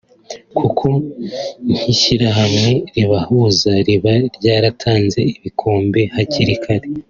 kuko nk’ishyirahamwe ribahuza riba ryaratanze ibikombe hakiri kare